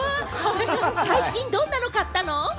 最近どんなの買ったの？